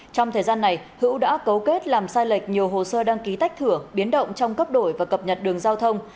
trong thời gian này hữu đã cấu kết làm sai lệch nhiều hồ sơ đăng ký tách thửa biến động trong cấp đổi và cập nhật đường giao thông